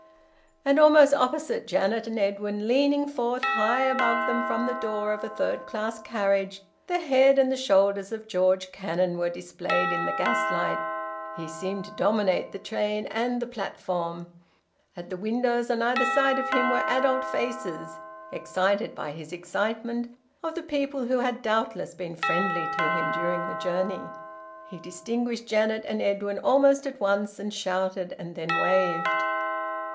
And almost opposite Janet and Edwin, leaning forth high above them from the door of a third class carriage, the head and the shoulders of George Cannon were displayed in the gaslight. He seemed to dominate the train and the platform. At the windows on either side of him were adult faces, excited by his excitement, of the people who had doubtless been friendly to him during the journey. He distinguished Janet and Edwin almost at once, and shouted, and then waved.